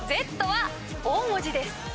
Ｚは大文字です。